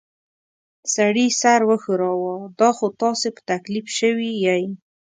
سړي سر وښوراوه: دا خو تاسې په تکلیف شوي ییۍ.